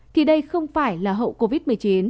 thì đây không phải là hậu covid một mươi chín